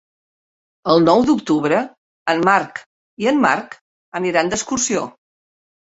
El nou d'octubre en Marc i en Marc aniran d'excursió.